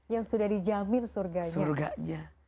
yang sudah dijamin surganya